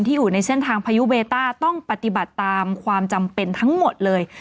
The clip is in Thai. อยู่ในเส้นทางพายุเวต้าต้องปฏิบัติตามความจำเป็นทั้งหมดเลย